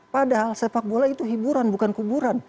padahal sepak bola itu hiburan bukan kuburan